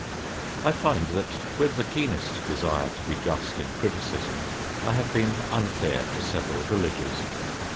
I find that, with the keenest desire to be just in criticism, I have been unfair to several villages.